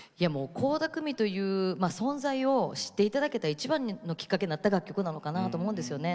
倖田來未という存在を知っていただけたいちばんのきっかけになった楽曲かなと思うんですよね。